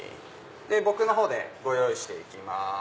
僕のほうでご用意して行きます。